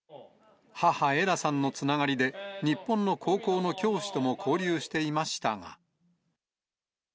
母、エラさんのつながりで、日本の高校の教師とも交流していましたが。